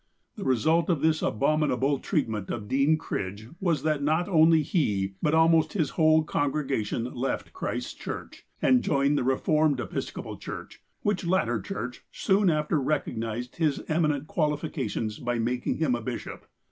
The result of this abominable treatment of Dean Cridge was that not only he, but almost his whole congregation, left Christ's Church, and joined the "Eeformed Episco pal '' Church, which latter church soon after recognized his eminent qualifications by making him a bishop.